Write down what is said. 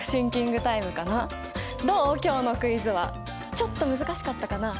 ちょっと難しかったかな？